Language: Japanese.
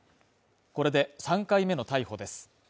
これで３回目の逮捕です。